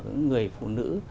cái người phụ nữ